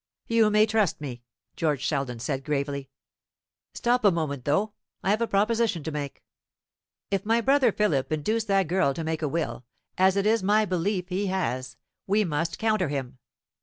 "You may trust me," George Sheldon said gravely. "Stop a moment, though; I have a proposition to make. If my brother Philip has induced that girl to make a will, as it is my belief he has, we must counter him.